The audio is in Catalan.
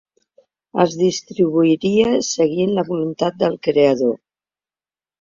Els distribuiria seguint la voluntat del creador.